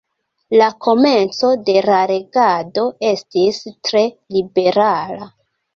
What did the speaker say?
La komenco de la regado estis tre liberala.